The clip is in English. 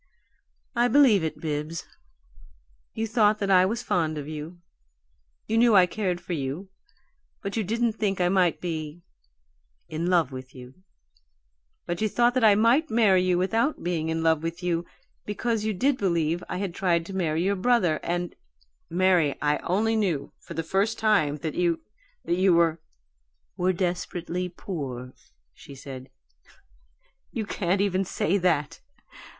"I believe it, Bibbs. You thought that I was fond of you; you knew I cared for you but you didn't think I might be in love with you. But you thought that I might marry you without being in love with you because you did believe I had tried to marry your brother, and " "Mary, I only knew for the first time that you that you were " "Were desperately poor," she said. "You can't even say that!